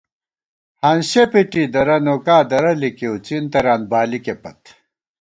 ہانسِیَہ پِٹی درہ نوکا ، درہ لِکِؤ څِن تران بالِکے پت